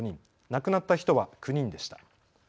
亡くなった人は９人でした。